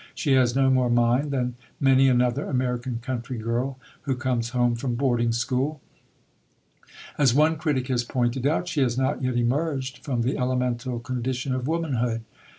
She has no more mind than many another American country girl who comes home from boarding school. As one critic has pointed out, "she has not yet emerged from the elemental condition of womanhood."